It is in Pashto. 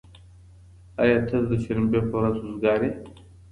ايا ته د دوشنبې په ورځ وزګار يې؟